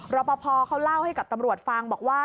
รอปภเขาเล่าให้กับตำรวจฟังบอกว่า